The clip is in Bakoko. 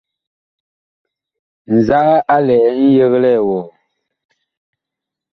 Nzaa a lɛ ŋyeglɛɛ wɔɔ ?